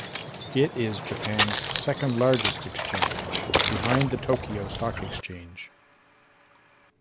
It is Japan's second largest exchange, behind the Tokyo Stock Exchange.